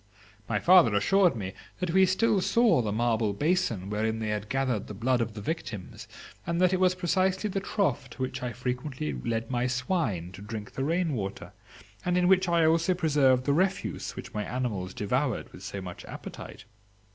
My father assured me that we still saw the marble basin wherein they had gathered the blood of the victims, and that it was precisely the trough to which I frequently led my swine to drink the rain water, and in which I also preserved the refuse which my animals devoured with so much appetite.